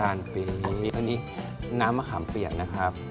อันนี้น้ำมะขามเปียกนะครับ